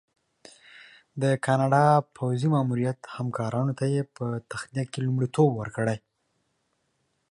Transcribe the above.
د کاناډا پوځي ماموریت همکارانو ته یې په تخلیه کې لومړیتوب ورکړی.